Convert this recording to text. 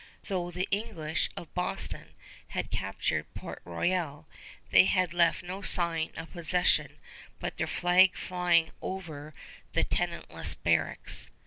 Though the English of Boston had captured Port Royal, they had left no sign of possession but their flag flying over the tenantless barracks.